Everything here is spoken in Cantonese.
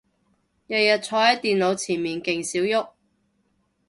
日日坐係電腦前面勁少郁